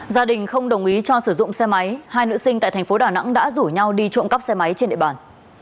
gia đình không đồng ý cho sử dụng xe máy hai nữ sinh tại thành phố đà nẵng đã rủ nhau đi trộm cắp xe máy trên địa bàn